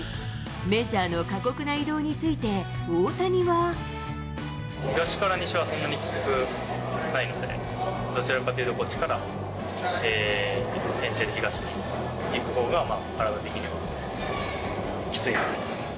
メジャーの過酷な移動について大東から西はそんなにきつくないので、どちらかというと、こっちから遠征で東に行くほうが体的にはきついかなと。